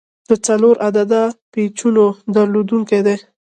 د څلور عدده پیچونو درلودونکی دی.